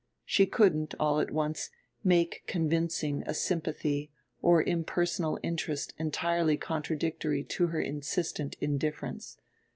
She couldn't, all at once, make convincing a sympathy or impersonal interest entirely contradictory to her insistent indifference.